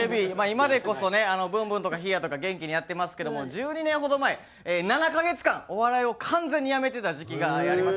今でこそね「ブンブン」とか「ヒィーア！」とか元気にやってますけども１２年ほど前７カ月間お笑いを完全にやめてた時期があります。